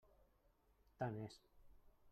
Tant és.